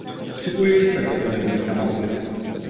Připojuji se ke kolegovi Kamallovi.